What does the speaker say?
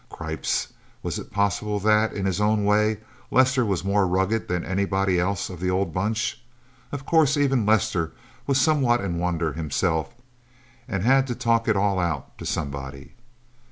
Cripes, was it possible that, in his own way, Lester was more rugged than anybody else of the old Bunch? Of course even Lester was somewhat in wonder, himself, and had to talk it all out to somebody.